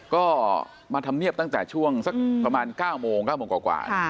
ก็มาทำเนียบตั้งแต่ช่วงสักประมาณ๙โมง๙โมงกว่า